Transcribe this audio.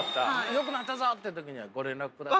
よくなったぞって時にはご連絡ください。